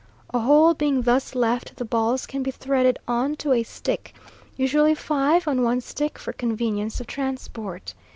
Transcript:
A hole being thus left the balls can be threaded on to a stick, usually five on one stick, for convenience of transport.